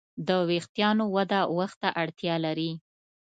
د وېښتیانو وده وخت ته اړتیا لري.